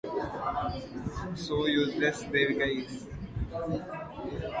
He is a giant nine-foot-tall humanoid creature with a giant, sharp-toothed head.